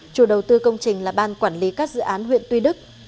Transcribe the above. chủ đầu tư công trình là ban quản lý các dự án huyện tuy đức